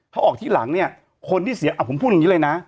เขาออกที่หลังเนี่ยคนที่เสียผมพูดอย่างนี้เลยนะ